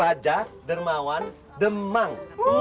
raja dermawan demang